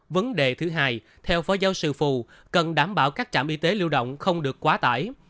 vấn đề thứ hai theo phó giáo sư phù cần đảm bảo các trạm y tế lưu động không được quá tải